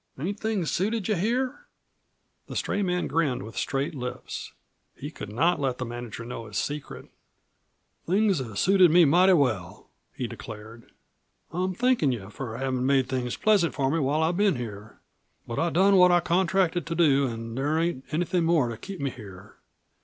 "Ain't things suited you here?" The stray man grinned with straight lips. He could not let the manager know his secret. "Things have suited me mighty well," he declared. "I'm thankin' you for havin' made things pleasant for me while I've been here. But I've done what I contracted to do an' there ain't anything more to keep me here.